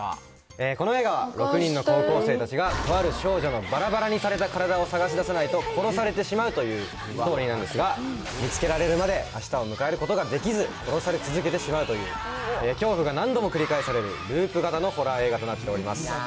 この映画は、６人の高校生たちがとある少女のばらばらにされたカラダを探し出さないと殺されてしまうというストーリーなんですが、見つけられるまであしたを迎えることができず、殺され続けてしまうという恐怖が何度も繰り返される、ループ型のホラー映画となっております。